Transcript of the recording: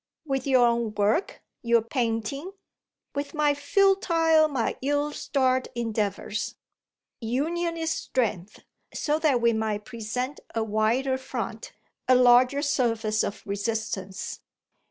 "With your own work your painting?" "With my futile, my ill starred endeavours. Union is strength so that we might present a wider front, a larger surface of resistance."